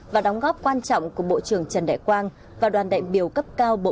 và đóng góp quan trọng của bộ trưởng trần đại quang và đoàn đại biểu cấp cao